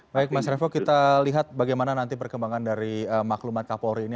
baik mas revo kita lihat bagaimana nanti perkembangan dari maklumat kapolri ini